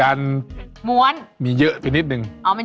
ออร่อยจริงออร่อยจริงอ